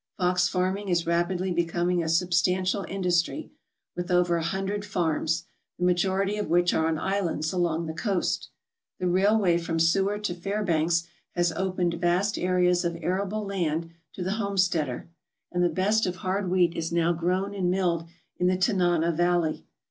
Fox fanning is rapidly becoming a substantial industry, with over a hundred farms, the majority of which are on islands along the coast. The railway from Seward to Fairbanks has opened vast areas of arable land to the homesteader, and the best of hard wheat is now grown and milled in the Tanana Valley.